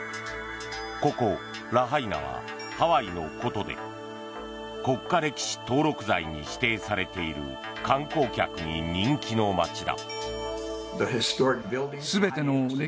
ここ、ラハイナはハワイの古都で国家歴史登録財に指定されている観光客に人気の街だ。